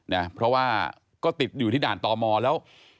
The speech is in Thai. นะเพราะว่าก็ติดอยู่ที่ด่านตมแล้ว